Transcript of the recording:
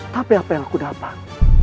tapi apa yang aku dapat